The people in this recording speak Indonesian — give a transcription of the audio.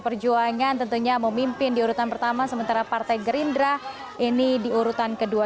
perjuangan tentunya memimpin di urutan pertama sementara partai gerindra ini di urutan kedua